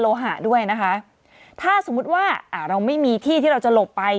หะด้วยนะคะถ้าสมมุติว่าอ่าเราไม่มีที่ที่เราจะหลบไป